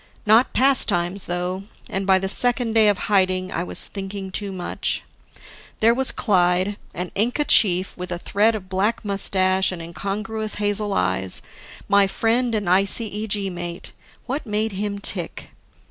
Not pastimes, though; and by the second day of hiding, I was thinking too much. There was Clyde, an Inca chief with a thread of black mustache and incongruous hazel eyes, my friend and ICEG mate what made him tick?